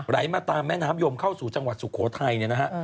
ไหลมาตามแม่น้ำยมเข้าสู่จังหวัดสุโขทัยเนี่ยนะฮะ